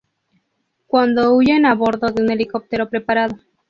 Cuando huyen a bordo de un helicóptero preparado.